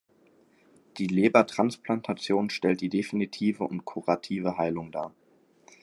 Die Lebertransplantation stellt die definitive und kurative Heilung dar.